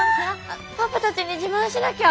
パパたちに自慢しなきゃ！